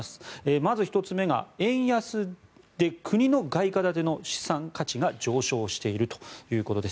まず１つ目が、円安で国の外貨建ての資産価値が上昇しているということです。